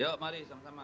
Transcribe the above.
yuk mari sama sama